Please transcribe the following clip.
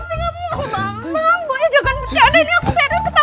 ini aku serius ketakutan sama ular